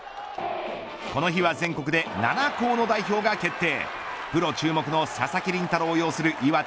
この日は全国で７校の代表が決定。